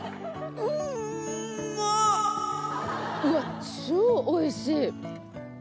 うわっ超おいしい！